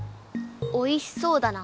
おいしそうだな。